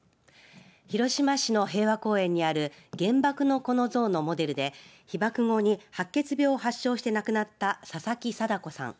広島市の平和公園にある原爆の子の像のモデルで被爆後に白血病を発症して亡くなった佐々木禎子さん。